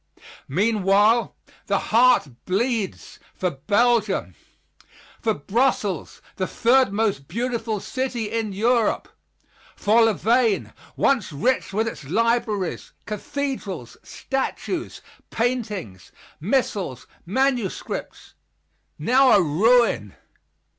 Meanwhile the heart bleeds for Belgium. For Brussels, the third most beautiful city in Europe! For Louvain, once rich with its libraries, cathedrals, statues, paintings, missals, manuscripts now a ruin.